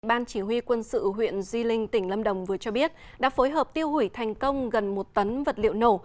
ban chỉ huy quân sự huyện di linh tỉnh lâm đồng vừa cho biết đã phối hợp tiêu hủy thành công gần một tấn vật liệu nổ